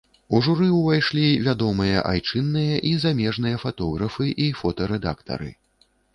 У журы ўвайшлі вядомыя айчынныя і замежныя фатографы і фотарэдактары.